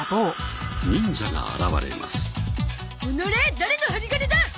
誰の針金だ！